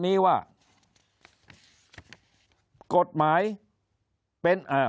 คนในวงการสื่อ๓๐องค์กร